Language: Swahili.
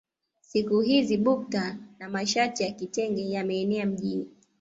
Siku hizi bukta na mashati ya kitenge yameenea mjini